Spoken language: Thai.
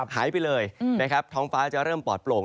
หายไปเลยนะครับท้องฟ้าจะเริ่มปลอดโปร่ง